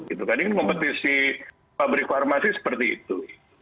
ini kan kompetisi pabrik farmasi seperti itu